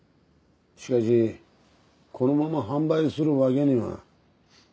しかしこのまま販売するわけには。